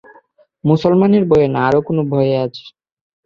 মুসলমানের ভয়ে, না আরো কোনো ভয় আছে?